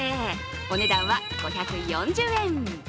お値段は５４０円。